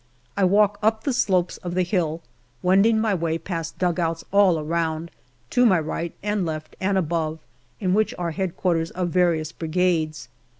I walk up the slopes of the hill, wending my way past dugouts all around, to my right and left and above, in which are H.Q. of various Brigades.